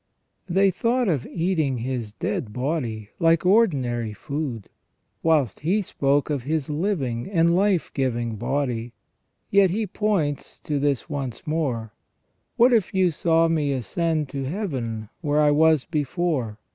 They thought of eating His dead body, like ordinary food ; whilst He spoke of His living and life giving body. Yet He points to this once more : What if you saw Me ascend to Heaven, where I was before